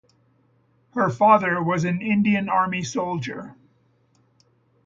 Her father was an Indian army soldier.